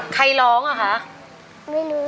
ใครร้องอ่ะคะ